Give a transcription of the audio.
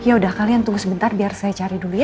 ya udah kalian tunggu sebentar biar saya cari dulu ya